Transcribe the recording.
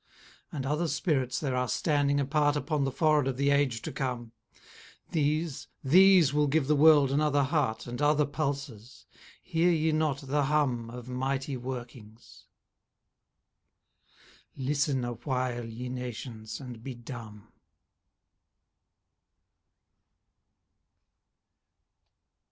And other spirits there are standing apart Upon the forehead of the age to come; These, these will give the world another heart, And other pulses. Hear ye not the hum Of mighty workings? Listen awhile ye nations, and be dumb.